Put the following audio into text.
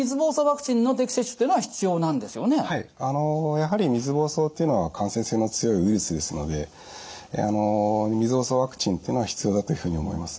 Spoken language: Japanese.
やはり水ぼうそうっていうのは感染性の強いウイルスですので水ぼうそうワクチンっていうのは必要だというふうに思います。